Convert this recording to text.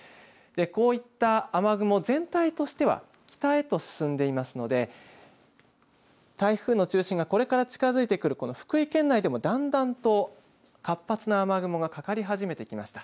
こういった雨雲全体としては北へと進んでいますので台風の中心がこれから近づいてくるこの福井県内でもだんだんと活発な雨雲がかかり始めてきました。